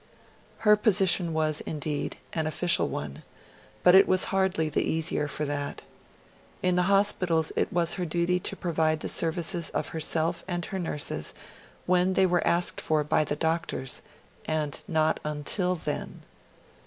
Her position was, indeed, an official one, but it was hardly the easier for that. In the hospitals it was her duty to provide the services of herself and her nurses when they were asked for by the doctors, and not until then.